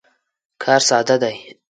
کار ساده دی.